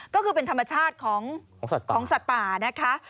ก็คือเป็นธรรมชาติของสัตว์ป่านะคะ